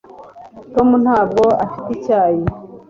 tom ntabwo afite icyayi